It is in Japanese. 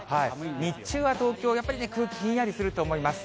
日中は東京、やっぱり空気ひんやりすると思います。